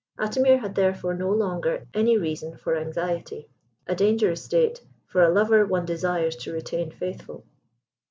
Atimir had therefore no longer any reason for anxiety a dangerous state for a lover one desires to retain faithful.